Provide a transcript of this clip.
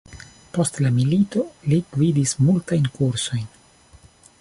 Post la milito li gvidis multajn kursojn.